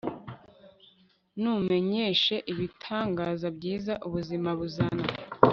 numenyeshe ibitangaza byiza ubuzima buzana